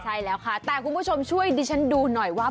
ใช่แล้วค่ะแต่คุณผู้ชมช่วยดิฉันดูหน่อยว่า